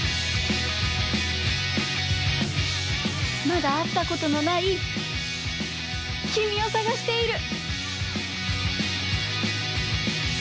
まだあったことのないきみをさがしている。